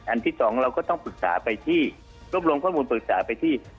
ที่สองเราก็ต้องปรึกษาไปที่รวบรวมข้อมูลปรึกษาไปที่